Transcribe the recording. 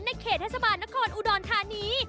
เขตเทศบาลนครอุดรธานี